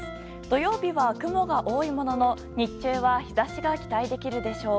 土曜日は雲が多いものの日中は日差しが期待できるでしょう。